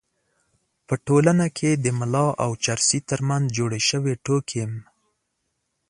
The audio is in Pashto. په ټولنه کې د ملا او چرسي تر منځ جوړې شوې ټوکې هم